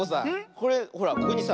これほらここにさ